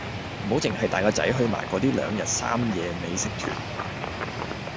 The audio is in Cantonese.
唔好淨係識帶個仔去埋嗰啲三日兩夜美食團